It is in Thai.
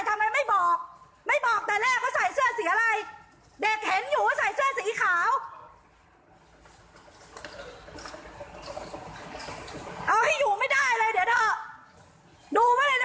อย่ามานี่เจ๊คำรวจจับแม่งเลยโรคจิตไม่ยอมรับพอกล้องเขามาดูเลย